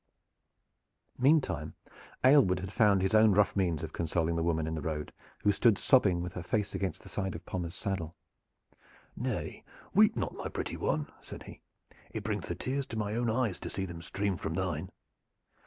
Meantime Aylward had found his own rough means of consoling the woman in the road, who stood sobbing with her face against the side of Pommers' saddle. "Nay, weep not, my pretty one," said he. "It brings the tears to my own eyes to see them stream from thine."